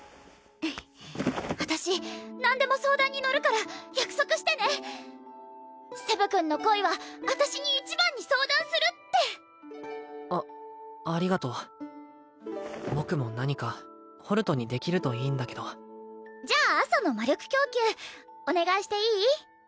私何でも相談に乗るから約束してねセブ君の恋は私に一番に相談するってあありがとう僕も何かホルトにできるといいんだけどじゃあ朝の魔力供給お願いしていい？